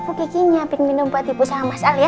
ibu kakinya minum buat ibu sama mas al ya